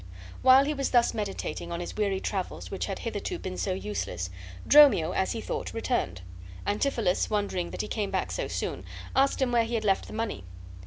While he was thus meditating on his weary travels, which had hitherto been so useless, Dromio (as he thought) returned. Antipholus, wondering that he came back so soon, asked him where he had left the money.